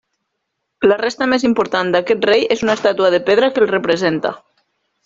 La resta més important d'aquest rei és una estàtua de pedra que el representa.